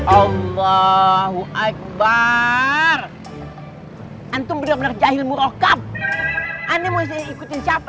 allahu akbar antum bener bener jahil murokab aneh mau ikutin siapa